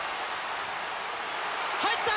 入った！